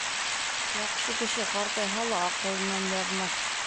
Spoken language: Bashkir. Яҡшы кеше ҡартайһа ла, аҡылынан яҙмаҫ